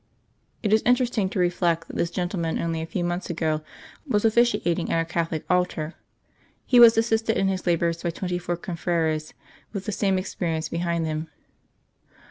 It is interesting to reflect that this gentleman only a few months ago was officiating at a Catholic altar. He was assisted in his labours by twenty four confreres with the same experience behind them."